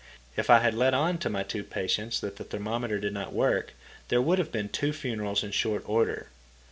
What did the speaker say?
If I had let on to my two patients that the thermometer did not work, there would have been two funerals in short order.